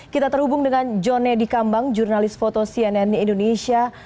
kita terhubung dengan john nedi kambang jurnalis foto cnn indonesia